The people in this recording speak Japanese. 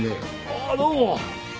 あっどうも。